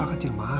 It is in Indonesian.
ma aku kecil ma